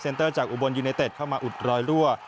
เตอร์จากอุบลยูเนเต็ดเข้ามาอุดรอยรั่ว